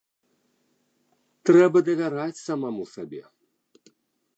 Трэба давяраць самаму сабе.